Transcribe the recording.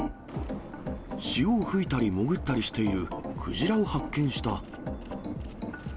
潮を吹いたり潜ったりしているクジラを発見した。